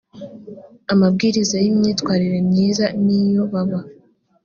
amabwiriza y imyitwarire myiza n iyo baba